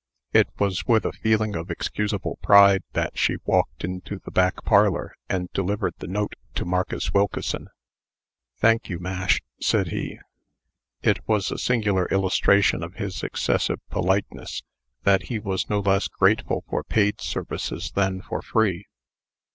It was with a feeling of excusable pride that she walked into the back parlor, and delivered the note to Marcus Wilkeson. "Thank you, Mash," said he. It was a singular illustration of his excessive politeness, that he was no less grateful for paid services than for free.